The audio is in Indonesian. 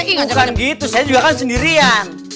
bukan gitu saya juga kan sendirian